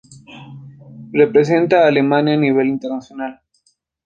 Representa a Alemania a nivel internacional.